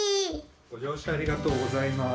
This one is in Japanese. ごじょうしゃありがとうございます。